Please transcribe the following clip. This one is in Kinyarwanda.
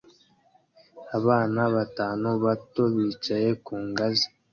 Abana batanu bato bicaye ku ngazi